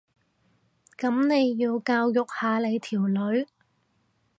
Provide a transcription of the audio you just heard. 噉你要教育下你條女